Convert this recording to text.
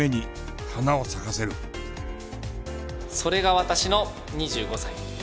それが私の２５歳。